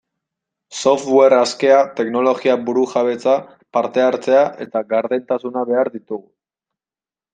Software askea, teknologia burujabetza, parte-hartzea eta gardentasuna behar ditugu.